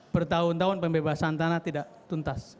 bertahun tahun pembebasan tanah tidak tuntas